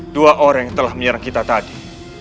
dua orang yang telah menyerang kita tadi